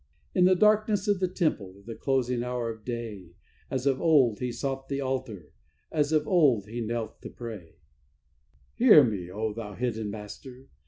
In the darkness of the temple, at the closing hour of day, As of old he sought the altar, as of old he knelt to pray: "Hear me, O Thou hidden Master!